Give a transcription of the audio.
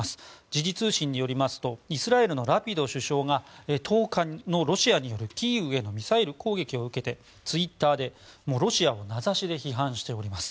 時事通信によりますとイスラエルのラピド首相が１０日のロシアによるキーウへのミサイル攻撃を受けてツイッターで、ロシアを名指しで批判しております。